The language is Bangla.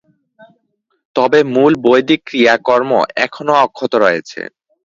তবে মূল বৈদিক ক্রিয়াকর্ম এখনও অক্ষত রয়েছে।